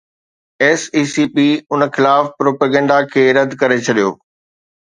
S E C P ان خلاف propaganda کي رد ڪري ڇڏيو